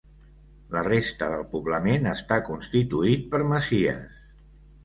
La resta del poblament està constituït per masies.